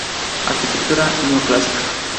Arquitectura neoclásica